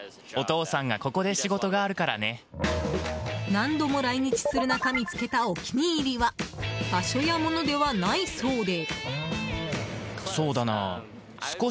何度も来日する中見つけたお気に入りは場所や物ではないそうで。